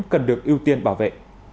cần được ưu tiên bảo vệ